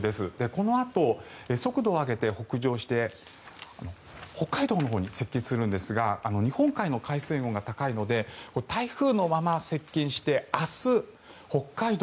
このあと速度を上げて北海道のほうに接近するんですが日本海の海水温が高いので台風のまま接近して明日、北海道